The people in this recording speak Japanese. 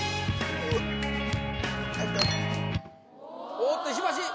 おっと石橋